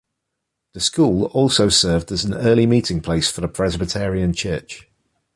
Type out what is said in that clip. The school also served as an early meeting place for the Presbyterian Church.